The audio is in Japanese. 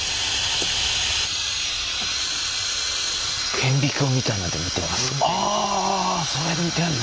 顕微鏡みたいなんで見てますね。